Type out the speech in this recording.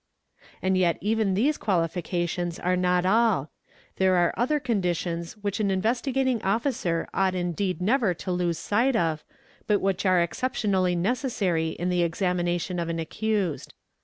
And yet even these qualifications are not all: there are other con ditions which the Investigating Officer ought indeed never to lose sight of but which are exceptionally necessary in the examination of an accused.